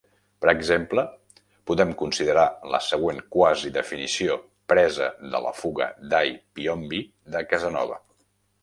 Per exemple, podem considerar la següent quasi-definició presa de la Fuga dai Piombi de Casanova.